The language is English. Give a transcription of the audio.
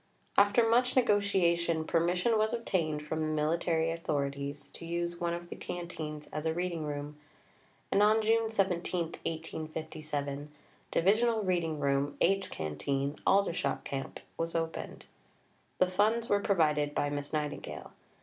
After much negotiation, permission was obtained from the military authorities to use one of the canteens as a reading room, and on June 17, 1857, "Divisional Reading Room, H Canteen, Aldershot Camp" was opened. The funds were provided by Miss Nightingale.